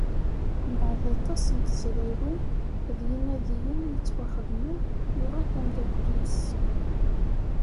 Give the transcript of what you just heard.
Mbeεd aṭas n tezrawin d yinadiyen i yettwaxedmen, yuɣal d ameddakkel-is.